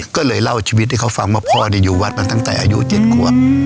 ก็เลยเล่าชีวิตให้เขาฟังว่าพ่ออยู่วัดมาตั้งแต่อายุ๗ขวบ